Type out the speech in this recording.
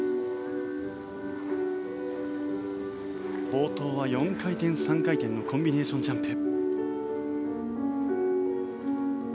冒頭は４回転、３回転のコンビネーションジャンプ。